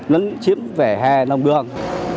lấn chiếm vỉa hè nông đường